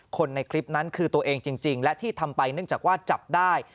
ในคลิปนั้นคือตัวเองจริงและที่ทำไปเนื่องจากว่าจับได้